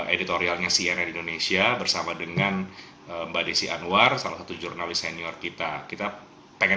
editorialnya cnn indonesia bersama dengan mbak desi anwar salah satu jurnalis senior kita kita pengen